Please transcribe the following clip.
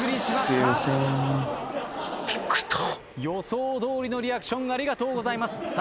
予想どおりのリアクションありがとうございます。